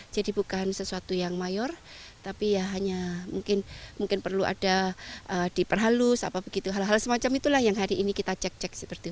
jadi bukan sesuatu yang mayor tapi ya hanya mungkin perlu ada diperhalus apa begitu hal hal semacam itulah yang hari ini kita cek cek